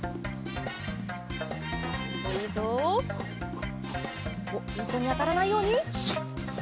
いとにあたらないように。